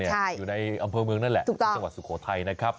อยู่ในอำเภอเมืองนั่นแหละที่จังหวัดสุโขทัยนะครับ